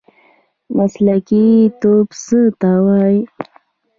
مسلکي توب څه ته وایي؟